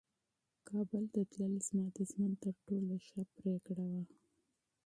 کابل ته تلل زما د ژوند تر ټولو ښه پرېکړه وه.